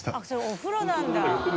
お風呂なんだ。